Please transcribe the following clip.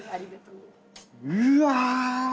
うわ！